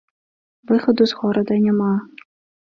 Выхаду з горада няма.